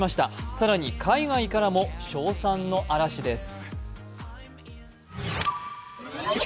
更に海外からも称賛の嵐です。